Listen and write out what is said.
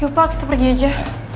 yuk pak kita pergi aja